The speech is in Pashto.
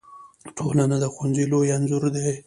ټولنه د ښوونځي لوی انځور دی.